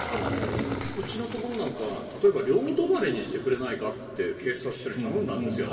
うちのところなんかは例えば、両止まれにしてくれないかって警察署に頼んだんですよ。